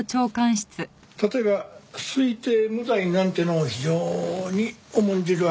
例えば推定無罪なんていうのを非常に重んじるわけさ。